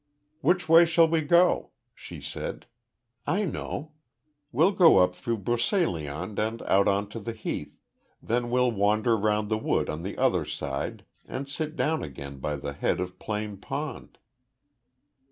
"Which way shall we go?" she said. "I know. We'll go up through Broceliande and out on to the heath, then we'll wander round the wood on the other side, and down again by the head of Plane Pond."